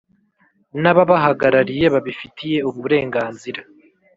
n ababahagarariye babifitiye uburenganzira